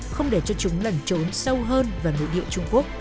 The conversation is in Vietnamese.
không để cho chúng lẩn trốn sâu hơn vào nội địa trung quốc